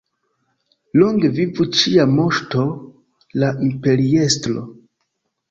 Longe vivu cia Moŝto, la Imperiestro!